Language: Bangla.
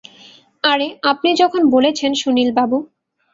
আরে আপনি যখন বলেছেন, সুনীল বাবু।